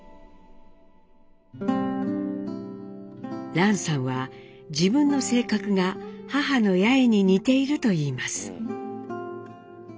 蘭さんは自分の性格が母の八重に似ているといいます。